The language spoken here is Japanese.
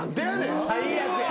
最悪や。